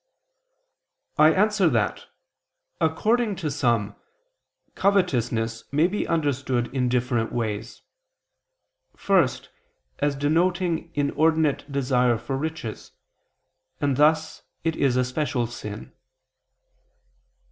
I answer that, According to some, covetousness may be understood in different ways. First, as denoting inordinate desire for riches: and thus it is a special sin.